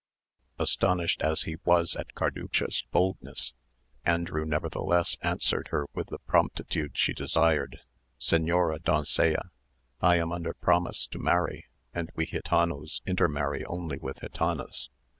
Astonished as he was at Carducha's boldness, Andrew nevertheless answered her with the promptitude she desired, "Señora doncella, I am under promise to marry, and we gitanos intermarry only with gitanas.